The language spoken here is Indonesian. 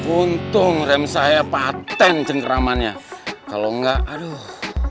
untung rem saya paten cengkramannya kalau enggak aduh